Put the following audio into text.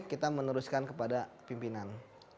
kita meneruskan kepada pimpinan